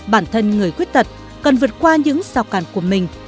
bản thân người khuyết tật cần vượt qua những sao càn của mình